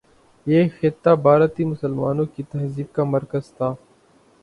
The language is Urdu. یہ خطہ بھارتی مسلمانوں کی تہذیب کا مرکز تھا۔